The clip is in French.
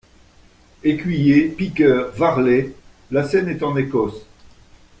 Écuyers, Piqueurs, Varlets., La scène est en Écosse.